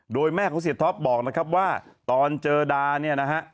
โดยแม่ของเสียท็อปบอกนะครับว่าตอนเจอดาเนี่ยนะฮะ